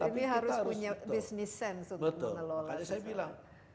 tapi harus punya business sense untuk mengelola